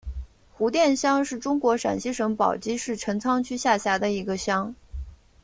胡店乡是中国陕西省宝鸡市陈仓区下辖的一个乡。